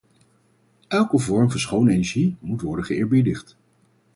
Elke vorm van schone energie moet worden geëerbiedigd.